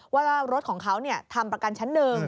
ว่ารถของเขาทำประกันชั้น๑